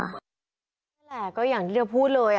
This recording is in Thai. นี่แหละก็อย่างที่เธอพูดเลย